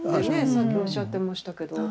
さっきおっしゃってましたけど。